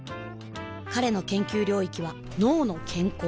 彼の研究領域は「脳の健康」